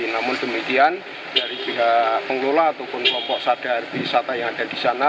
namun demikian dari pihak pengelola ataupun kelompok sadar wisata yang ada di sana